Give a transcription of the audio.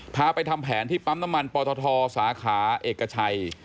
ไปทำแผนที่ปั๊มน้ำมันปตทสาขาเอกชัย